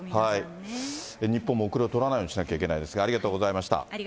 日本も後れを取らないようにしなきゃいけないですが、ありがとうございました。